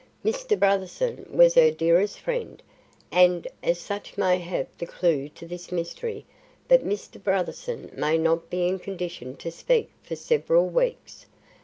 Mr. Brotherson was her dearest friend, and as such may have the clew to this mystery, but Mr. Brotherson may not be in a condition to speak for several weeks.